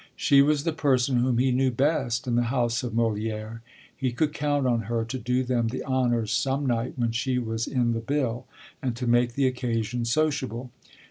She was the person whom he knew best in the house of Molière; he could count on her to do them the honours some night when she was in the "bill," and to make the occasion sociable.